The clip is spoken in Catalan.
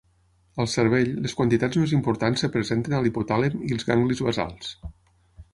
Al cervell, les quantitats més importants es presenten a l'hipotàlem i els ganglis basals.